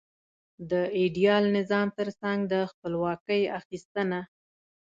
د ایډیال نظام ترڅنګ د خپلواکۍ اخیستنه.